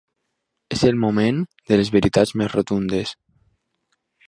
És el moment de les veritats més rotundes.